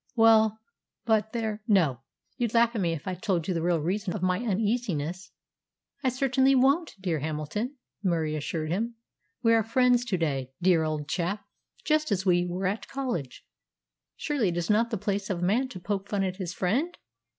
"Well but there, no! You'd laugh at me if I told you the real reason of my uneasiness." "I certainly won't, my dear Hamilton," Murie assured him. "We are friends to day, dear old chap, just as we were at college. Surely it is not the place of a man to poke fun at his friend?"